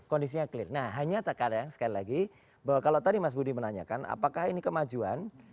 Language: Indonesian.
kondisinya clear nah hanya terkadang sekali lagi bahwa kalau tadi mas budi menanyakan apakah ini kemajuan